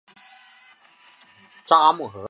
札木合。